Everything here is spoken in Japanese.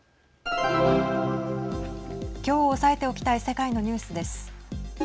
きょう押さえておきたい世界のニュースです。